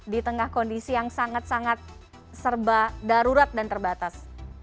di tengah kondisi yang sangat sangat serba darurat dan terbatas